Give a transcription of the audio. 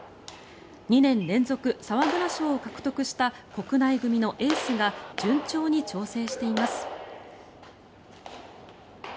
２年連続、沢村賞を獲得した国内組のエースが順調に調整しています。